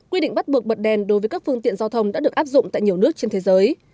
quy định bắt buộc bật đèn đối với các phương tiện giao thông đã được áp dụng tại nhiều nước trên thế giới